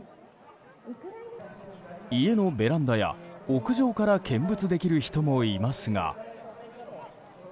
家のベランダや屋上から見物できる人もいますが。